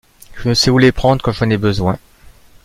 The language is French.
Je ne sais où les prendre quand j’en ai besoin...